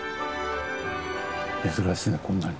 珍しいねこんなに。